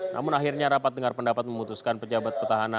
namun akhirnya rapat dengar pendapat memutuskan pejabat petahana